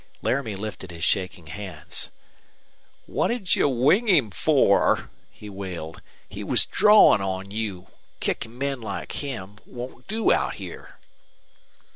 Laramie lifted his shaking hands. "What'd you wing him for?" he wailed. "He was drawin' on you. Kickin' men like him won't do out here."